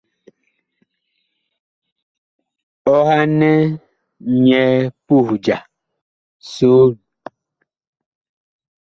Ɔhanɛ nyɛ puh ja soon.